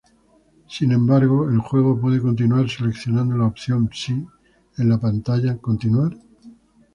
Sin embargo, el juego puede continuar seleccionando la opción "Sí" en la pantalla "¿Continuar?".